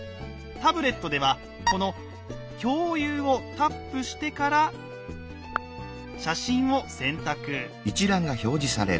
タブレットではこの「共有」をタップしてから「写真」を選択。